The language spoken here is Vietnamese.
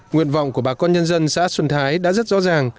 nguyện vọng của bà con nhân dân xã xuân thái đã rất rõ ràng